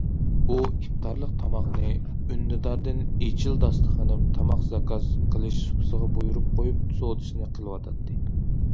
ئۇ ئىپتارلىق تاماقنى ئۈندىداردىن‹‹ ئېچىل داستىخىنىم›› تاماق زاكاز قىلىش سۇپىسىغا بۇيرۇپ قويۇپ سودىسىنى قىلىۋاتاتتى.